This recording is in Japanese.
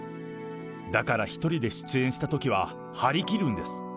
だから１人で出演したときは張り切るんです。